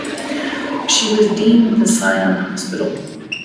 She was dean of the Sion hospital.